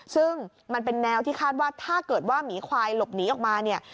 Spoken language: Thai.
ซึ่งมันเป็นแนวที่คาดว่าถ้าเกิดว่าหมีควายหลบหนีออกมาเนี่ย